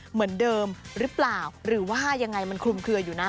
เหมือนเดิมหรือเปล่าหรือว่ายังไงมันคลุมเคลืออยู่นะ